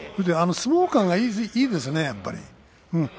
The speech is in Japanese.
相撲勘がいいですね、やっぱり。